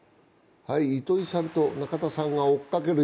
糸井さんと中田さんが追っかける。